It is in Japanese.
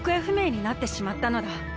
ふめいになってしまったのだ。